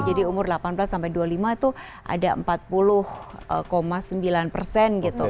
jadi umur delapan belas dua puluh lima itu ada empat puluh sembilan persen gitu